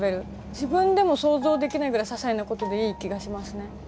自分でも想像できないぐらいささいなことでいい気がしますね。